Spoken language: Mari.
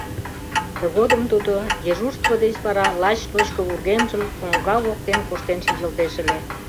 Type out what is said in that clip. Тыгодым тудо дежурство деч вара лач ночко вургемжым коҥга воктен коштен шинчылтеш ыле.